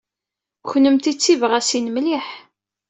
Kennemti d tibɣasin mliḥ.